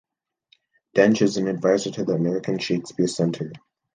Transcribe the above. Dench is an advisor to the American Shakespeare Center.